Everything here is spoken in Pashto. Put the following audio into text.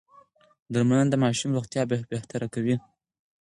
درملنه د ماشوم روغتيا بهتره کوي.